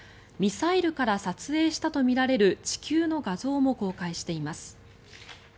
ミサイルから撮影したとみられる地球の画像も公開しています。